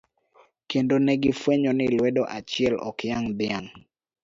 Kendo negi fwenyo ni lwedo achiel, ok yang' dhiang'.